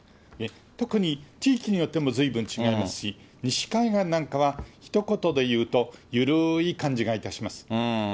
特に、地域によってもずいぶん違いますし、西海岸なんかはひと言で言うと、緩ーい感じがいたします。